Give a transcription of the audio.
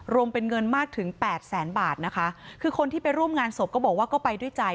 รวมเป็นเงินมากถึงแปดแสนบาทนะคะคือคนที่ไปร่วมงานศพก็บอกว่าก็ไปด้วยใจ